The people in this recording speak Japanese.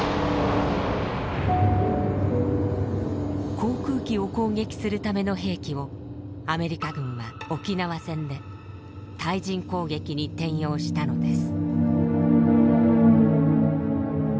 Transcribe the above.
航空機を攻撃するための兵器をアメリカ軍は沖縄戦で対人攻撃に転用したのです。